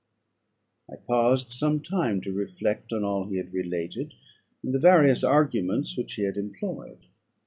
I paused some time to reflect on all he had related, and the various arguments which he had employed.